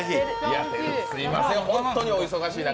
すみません、本当にお忙しい中。